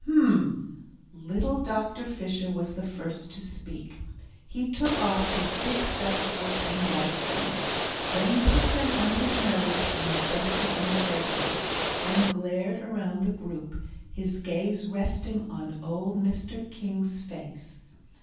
"Hum!" Little Dr. Fisher was the first to speak. He took off his big spectacles and wiped them; then put them on his nose and adjusted them carefully, and glared around the group, his gaze resting on old Mr. King's face.